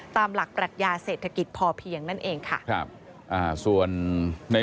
ตามหลักปรักยาเศรษฐกิจพอเพียงนั่นเองค่ะ